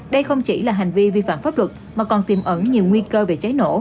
đây không chỉ là hành vi vi phạm pháp luật mà còn tiềm ẩn nhiều nguy cơ về cháy nổ